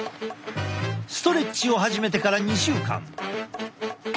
ストレッチを始めてから２週間。